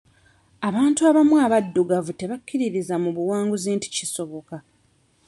Abantu abamu abaddugavu tebakkiririza mu buwanguzi nti kisoboka.